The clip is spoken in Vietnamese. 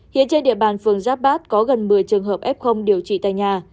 hiện trên địa bàn phường giáp bát có gần một mươi trường hợp f điều trị tại nhà